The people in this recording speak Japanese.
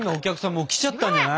もう来ちゃったんじゃない？